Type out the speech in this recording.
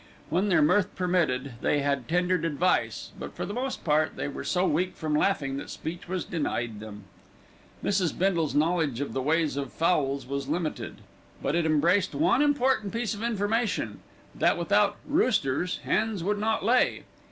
When their mirth permitted, they had tendered advice; but for the most part they were so weak from laughing that speech was denied them. Mrs. Bindle's knowledge of the ways of fowls was limited; but it embraced one important piece of information that without "roosters", hens would not lay.